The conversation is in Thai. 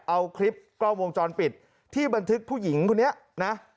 เอาคลิปกล้องวงจรปิดที่บันทึกผู้หญิงคนนี้นะ